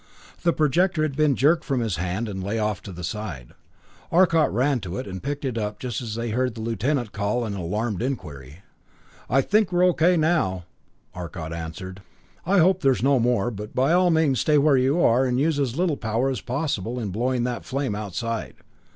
The projector had been jerked from his hand and lay off to the side. Arcot ran to it and picked it up just as they heard the Lieutenant call an alarmed inquiry. "I think we're okay now," Arcot answered. "I hope there are no more but by all means stay where you are, and use as little power as possible in blowing that flame outside.